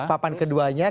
oke ini papan keduanya